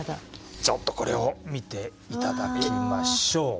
ちょっとこれを見ていただきましょう。